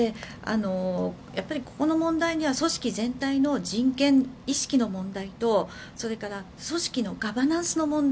やっぱり、ここの問題には組織全体の人権意識の問題とそれから組織のガバナンスの問題